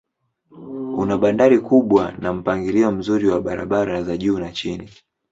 Una bandari kubwa na mpangilio mzuri wa barabara za juu na chini.